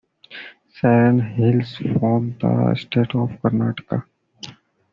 Sherin hails from the state of Karnataka.